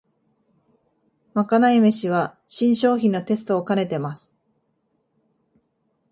まかない飯は新商品のテストをかねてます